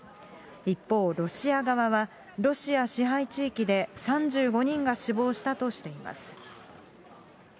一方、ロシア側はロシア支配地域で３５人が死亡したとしています。